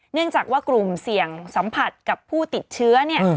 เนื่องจากว่ากลุ่มเสี่ยงสัมผัสกับผู้ติดเชื้อเนี่ย